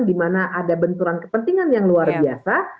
di mana ada benturan kepentingan yang luar biasa